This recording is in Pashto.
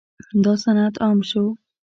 دا صنعت عام شو.